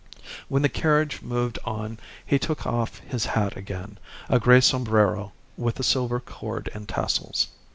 When the carriage moved on he took off his hat again, a grey sombrero with a silver cord and tassels.